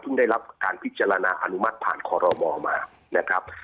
ได้รับการพิจารณาอนุมัติผ่านคอรมอมานะครับ